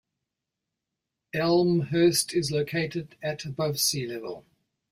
Elmhurst is located at above sea level.